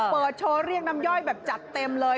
โชว์เรียกน้ำย่อยแบบจัดเต็มเลย